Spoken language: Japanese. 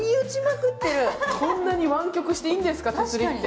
こんなに湾曲していいんですか、階段って。